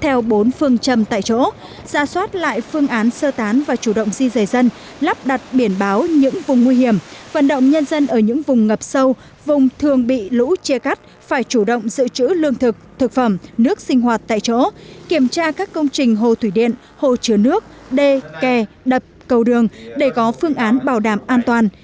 theo bốn tại chỗ ra soát lại phương án sơ tán và chủ động di rời dân lắp đặt biển báo những vùng nguy hiểm vận động nhân dân ở những vùng ngập sâu vùng thường bị lũ che cắt phải chủ động giữ chữ lương thực thực phẩm nước sinh hoạt tại chỗ kiểm tra các công trình hồ thủy điện hồ chứa nước đê kè đập cầu đường để có phương án bảo đảm an toàn